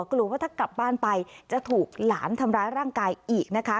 กลัวว่าถ้ากลับบ้านไปจะถูกหลานทำร้ายร่างกายอีกนะคะ